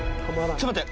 ちょっと待って！